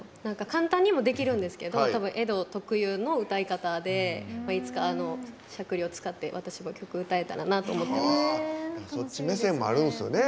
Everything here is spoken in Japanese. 簡単にもできるんですけどエド特有の歌い方でいつか、あのしゃくりを使って私も曲を歌えたらなって思っています。